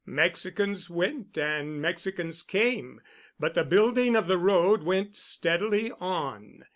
Mexicans went and Mexicans came, but the building of the road went steadily on.